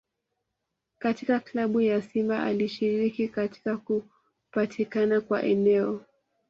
Katika Klabu ya Simba alishiriki katika kupatikana kwa eneo